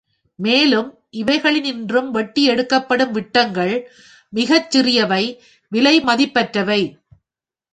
மேலும் இவைகளினின்றும் வெட்டி எடுக்கப்படும் விட்டங்கள் மிகச் சிறியவை விலைமதிப்பற்றவை.